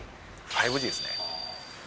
５Ｇですね。